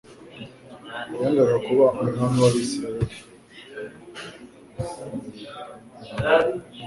yangaga kuba Umwami w'abisiraheli.